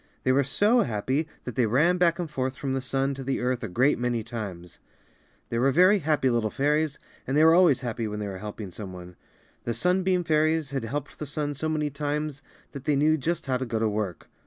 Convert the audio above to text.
They were so happy that they ran back and forth from the sun to the earth a great many times. They were very helpful little fairies and they were always happy when they were help ing some one. The sunbeam fairies had helped the sun so many times that they knew just how to go to work.